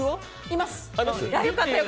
います！